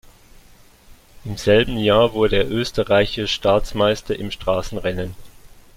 Im selben Jahr wurde er österreichischer Staatsmeister im Straßenrennen.